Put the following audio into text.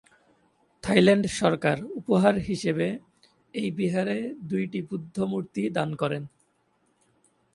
Thailand সরকার উপহার হিসেবে এই বিহারে দুইটি বুদ্ধ মূর্তি দান করেন।